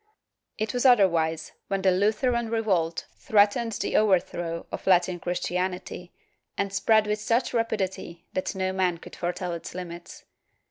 It was otherwise when the Lutheran revolt threatened the overthrow of Latin Christianity and spread with such rapidity that no man could foretell its limits.